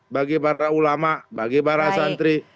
bagi para ulama bagi para santri